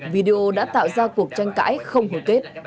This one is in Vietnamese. video đã tạo ra cuộc tranh cãi không hồi kết